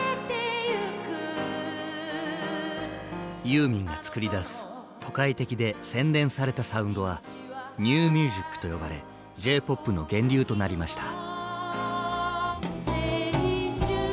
ユーミンが作り出す都会的で洗練されたサウンドは「ニューミュージック」と呼ばれ「Ｊ−ＰＯＰ」の源流となりました。